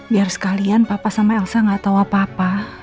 biar sekalian papa sama elsa gak tahu apa apa